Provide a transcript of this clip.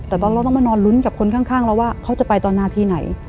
แต่เราต้องมานอนลุ้นกับคนข้างเราว่าเขาจะไปตอนนาทีไหน